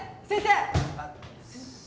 先生。